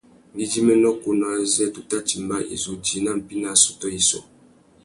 Ngüidjiménô kunú azê tu tà timba, i zu djï nà mpí nà assôtô yissú.